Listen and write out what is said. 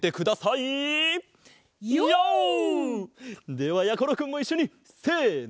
ではやころくんもいっしょにせの。